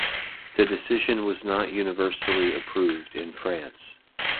The decision was not universally approved in France.